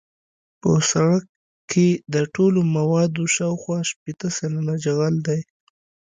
په سرک کې د ټولو موادو شاوخوا شپیته سلنه جغل دی